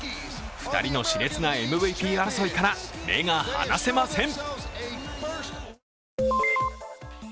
２人のし烈なＭＶＰ争いから目が離せません。